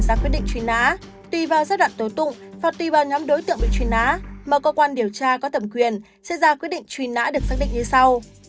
ra quyết định truy nã tùy vào giai đoạn tố tụng hoặc tùy vào nhóm đối tượng bị truy nã mà cơ quan điều tra có tầm quyền sẽ ra quyết định truy nã được xác định như sau